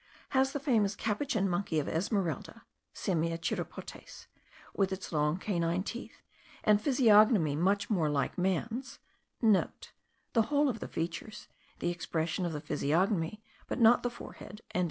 Has the famous capuchin monkey of Esmeralda (Simia chiropotes), with its long canine teeth, and physiognomy much more like man's* (* The whole of the features the expression of the physiognomy; but not the forehead.)